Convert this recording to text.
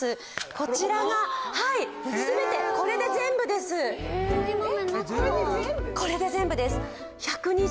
こちらがはい全てこれで全部です・えっ全部？